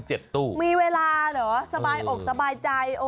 ตู้มีเวลาเหรอสบายอกสบายใจ